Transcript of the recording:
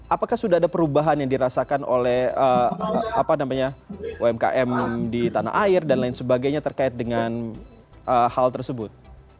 apakah sudah ada perubahan yang dirasakan oleh umkm di tanah air dan lain sebagainya terkait dengan hal tersebut